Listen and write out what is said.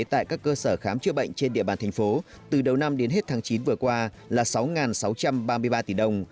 tại các cơ sở khám chữa bệnh trên địa bàn thành phố từ đầu năm đến hết tháng chín vừa qua là sáu sáu trăm ba mươi ba tỷ đồng